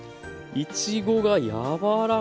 いちごが柔らかい。